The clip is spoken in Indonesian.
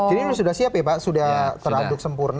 jadi ini sudah siap ya pak sudah teraduk sempurna